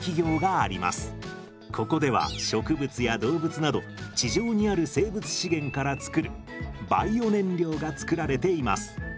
ここでは植物や動物など地上にある生物資源から作るバイオ燃料が作られています。